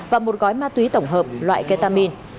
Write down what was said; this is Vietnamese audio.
và một gói ma túy tổng hợp loại ketamin